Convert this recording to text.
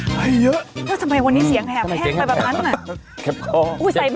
มาให้เยอะไม่สำคัญวันนี้เสียงแห้งไปแบบนั้น